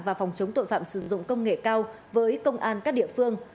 và phòng chống tội phạm sử dụng công nghệ cao với công an các địa phương